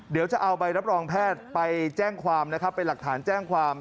เดี๋ยวจะเอาใบรับรองแพทย์ไปแจ้งความนะครับเป็นหลักฐานแจ้งความ